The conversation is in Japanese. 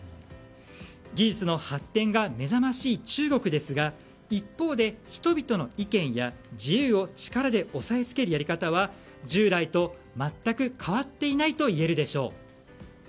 技術の発展が目覚ましい中国ですが一方で、人々の意見や自由を力で押さえつけるやり方は従来と全く変わっていないといえるでしょう。